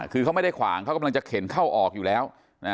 คือเขาไม่ได้ขวางเขากำลังจะเข็นเข้าออกอยู่แล้ว